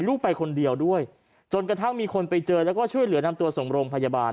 ลูกไปคนเดียวด้วยจนกระทั่งมีคนไปเจอแล้วก็ช่วยเหลือนำตัวส่งโรงพยาบาล